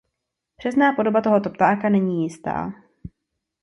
Přesná podoba tohoto ptáka není jistá.